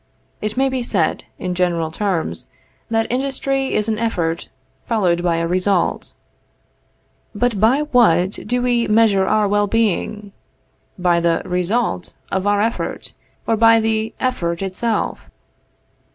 It may be said, in general terms, that industry is an effort followed by a result. But by what do we measure our well being? By the result of our effort, or by the effort itself?